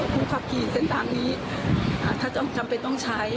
ผู้ขับขี่เส้นทางนี้ถ้าจำเป็นต้องใช้